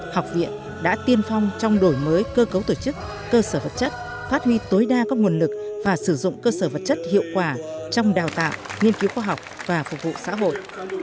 học viện đã tiên phong trong đổi mới cơ cấu tổ chức cơ sở vật chất phát huy tối đa các nguồn lực và sử dụng cơ sở vật chất hiệu quả trong đào tạo nghiên cứu khoa học và phục vụ xã hội